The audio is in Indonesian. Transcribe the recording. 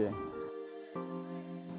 beratnya di situ ya